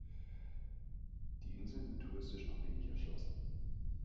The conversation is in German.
Die Inseln sind touristisch noch wenig erschlossen.